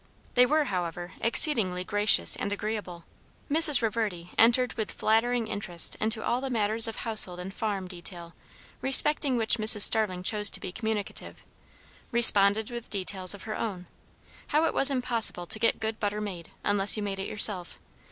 They were, however, exceedingly gracious and agreeable. Mrs. Reverdy entered with flattering interest into all the matters of household and farm detail respecting which Mrs. Starling chose to be communicative; responded with details of her own. How it was impossible to get good butter made, unless you made it yourself.